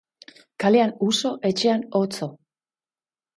Kalean uso, etxean otso.